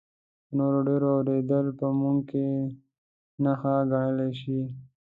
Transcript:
د نورو ډېر اورېدل په موږ کې نښه ګڼلی شي.